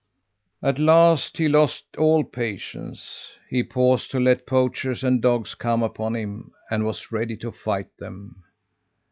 "At last he lost all patience. He paused to let poachers and dogs come upon him, and was ready to fight them.